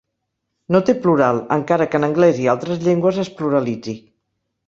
No té plural, encara que en anglès i altres llengües es pluralitzi.